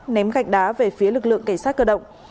ném gạch đá về phía lực lượng cảnh sát cơ động